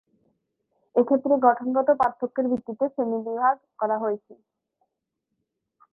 এক্ষেত্রে গঠনগত পার্থক্যের ভিত্তিতে শ্রেণীবিভাগ করা হয়েছে।